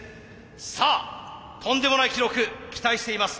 さあとんでもない記録期待しています。